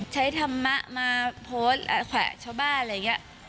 ใช้ธรรมะมาโพสต์แหละแขวะชาวบ้านอะไรอย่างเงี้ย